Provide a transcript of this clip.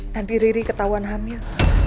nanti riri ketahuan hamil